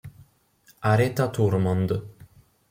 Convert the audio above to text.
Aretha Thurmond